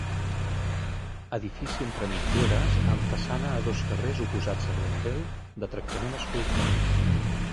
Edifici entre mitgeres, amb façana a dos carrers oposats a Blondel de tractament escultòric.